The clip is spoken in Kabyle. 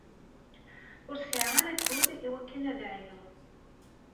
Ur sɛiɣ ara akud i wakken ad ɛyuɣ.